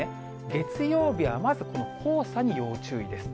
月曜日はまずこの黄砂に要注意です。